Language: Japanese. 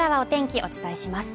お伝えします